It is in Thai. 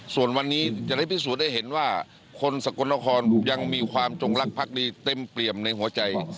ส่วนวันนี้จะได้พิสูจน์ได้เห็นว่าคนสกลนครยังมีความจงรักภักดีเต็มเปี่ยมในหัวใจ